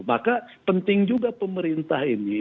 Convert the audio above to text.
maka penting juga pemerintah ini